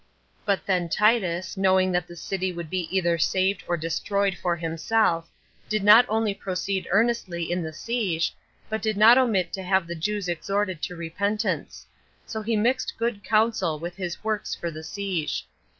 But then Titus, knowing that the city would be either saved or destroyed for himself, did not only proceed earnestly in the siege, but did not omit to have the Jews exhorted to repentance; so he mixed good counsel with his works for the siege.